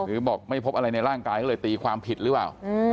หรือบอกไม่พบอะไรในร่างกายก็เลยตีความผิดหรือเปล่า